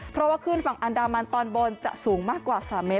เพราะว่าขึ้นฝั่งอันดามันตอนบนจะสูงมากกว่า๓เมตร